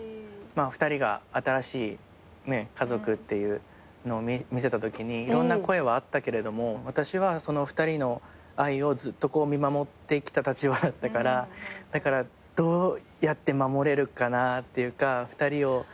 ２人が新しい家族っていうのを見せたときにいろんな声はあったけれども私は２人の愛をずっと見守ってきた立場だったからだからどうやって守れるかなっていうか２人を。